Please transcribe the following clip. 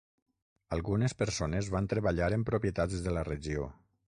Algunes persones van treballar en propietats de la regió.